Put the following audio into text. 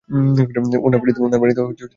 ওনার বাড়িতে লোক পাঠিয়েছিলাম।